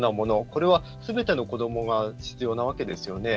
これは、すべての子どもが必要なわけですよね。